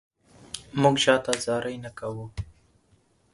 مونږ چاته زاري نه کوو